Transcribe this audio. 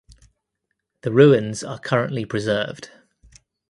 The ruins are currently preserved.